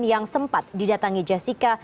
yang sempat didatangi jessica